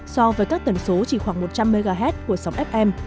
so với các tần số chỉ khoảng một trăm linh mhz của sóng fm